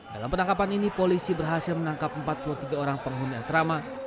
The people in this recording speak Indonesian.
dalam penangkapan ini polisi berhasil menangkap empat puluh tiga orang penghuni asrama